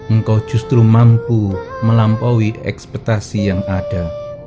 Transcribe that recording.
engkau justru mampu melampaui ekspektasi yang ada